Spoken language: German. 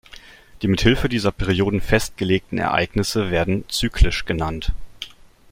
Die mit Hilfe dieser Perioden festgelegten Ereignisse werden "zyklisch" genannt.